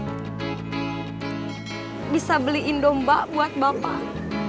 aku bisa diindomba buat bapak